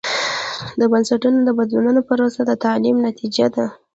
د بنسټونو د بدلون پروسه د تعامل نتیجه ده.